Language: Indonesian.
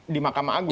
di mahkamah agung